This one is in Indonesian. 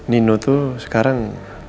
nino tuh sekarang